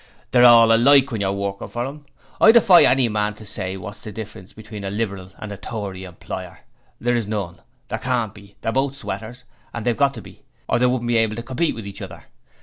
They're all alike when you're workin' for 'em; I defy any man to say what's the difference between a Liberal and a Tory employer. There is none there can't be; they're both sweaters, and they've got to be, or they wouldn't be able to compete with each other.